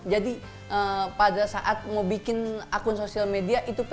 jadi pada saat mau bikin akun sosial media itu pede